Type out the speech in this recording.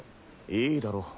いいだろ。